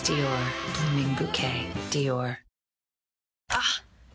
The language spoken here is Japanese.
あっ！